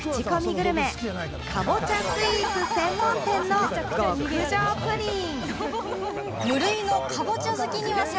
グルメ、カボチャスイーツ専門店の極上プリン。